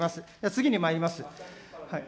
次にまいります。